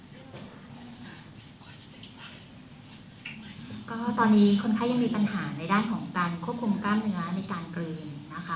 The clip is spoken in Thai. ก็ตอนนี้คนไข้ยังมีปัญหาในด้านของการควบคุมกล้ามเนื้อในการกลืนนะคะ